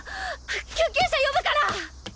救急車呼ぶから！